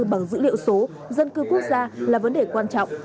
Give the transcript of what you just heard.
bằng dữ liệu số dân cư quốc gia là vấn đề quan trọng